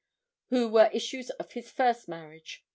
who were issues of his first marriage.